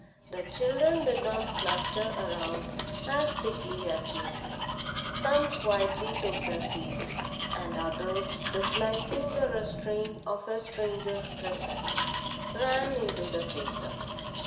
The children did not cluster around as thickly as usual. Some quietly took their seats; and others, disliking the restraint of a stranger's presence, ran into the play ground.